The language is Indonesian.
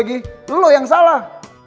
situ yang salah